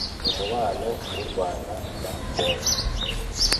umubano w'u Rwanda na Kongo